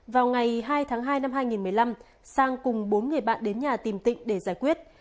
vào ngày hai tháng hai năm hai nghìn một mươi năm sang cùng bốn người bạn đến nhà tìm tịnh để giải quyết